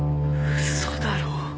嘘だろ。